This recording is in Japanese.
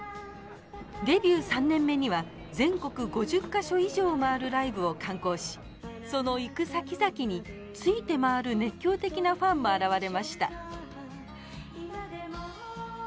デビュー３年目には全国５０か所以上を回るライブを敢行しその行く先々に付いて回る熱狂的なファンも現れました。